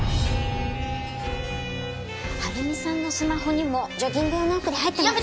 晴美さんのスマホにもジョギング用のアプリ入ってますよね？